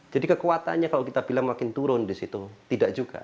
jadi kekuatannya kalau kita bilang makin turun di situ tidak juga